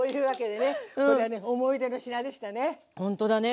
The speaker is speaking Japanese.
ほんとだね。